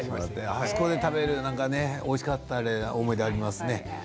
あそこで食べるのおいしかった思い出がありますね。